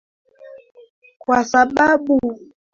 kwa sababu Wahehe walishirikiana na Waingereza wakati wa vita